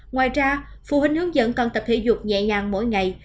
ngoài ra phụ huynh hướng dẫn còn tập thể dục nhẹ nhàng mỗi ngày